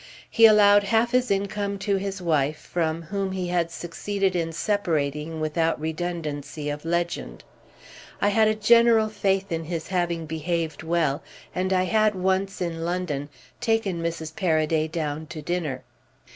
He allowed half his income to his wife, from whom he had succeeded in separating without redundancy of legend. I had a general faith in his having behaved well, and I had once, in London, taken Mrs. Paraday down to dinner.